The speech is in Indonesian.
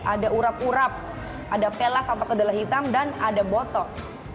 ada urap urap ada pelas atau kedelai hitam dan ada botok